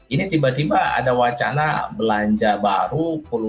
ini tiba tiba ada wacana belanja baru